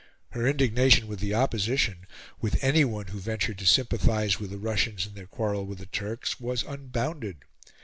Her indignation with the Opposition with anyone who ventured to sympathise with the Russians in their quarrel with the Turks was unbounded.